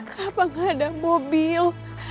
kenapa gak ada mobil